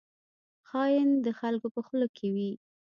خاین د خلکو په خوله کې وي